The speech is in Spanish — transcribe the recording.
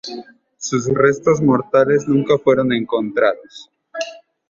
Sus restos mortales nunca fueron encontrados.